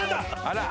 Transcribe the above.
あら！